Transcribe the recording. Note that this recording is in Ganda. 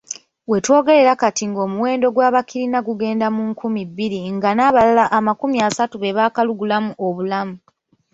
We twogerera kati ng'omuwendo gw'abakirina gugenda mu nkumi bbiri nga n'abalala amakumi asatu be baakalugulamu obulamu.